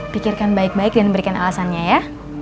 pikirkan baik baik dan berikan alasannya ya